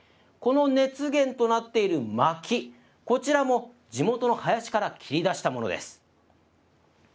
この熱源となっているまき、こちらも地元の林から切り出したものです。